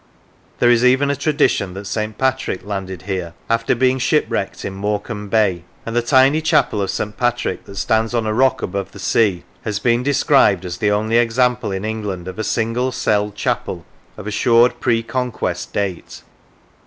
There is even a tradition that St. Patrick landed here after being shipwrecked in Morecambe Bay; and the tiny chapel of St. Patrick, that stands on a rock above the sea, has been described as the only example in England of a single celled chapel of assured pre Con quest date.